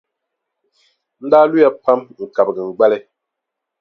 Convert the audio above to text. N daa luya pam n-kabigi n gbali.